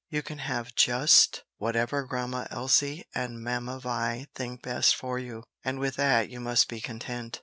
You can have just whatever Grandma Elsie and Mamma Vi think best for you, and with that you must be content."